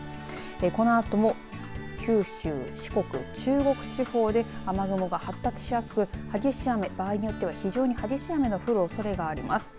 このあとも九州、四国中国地方で雨雲が発達しやすく激しい雨、場合によっては非常に激しい雨の降るおそれがあります。